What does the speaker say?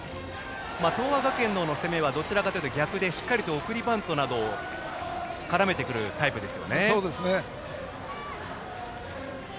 東亜学園の方の攻めはどちらかというと逆でしっかりと送りバントなどを絡めてくるタイプです。